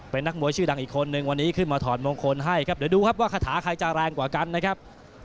เป็นนักมวยชื่อดังอีกคนนึงวันนี้ขึ้นมาถอดมงคลให้ครับเดี๋ยวดูครับว่าคาถาใครจะแรงกว่ากันนะครับ